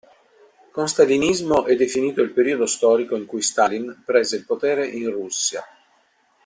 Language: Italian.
Con stalinismo è definito il periodo storico in cui Stalin prese il potere in Russia.